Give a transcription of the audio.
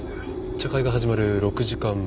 茶会が始まる６時間前。